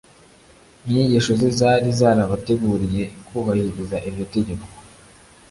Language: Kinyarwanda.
Inyigisho ze zari zarabateguriye kubahiriza iryo tegeko.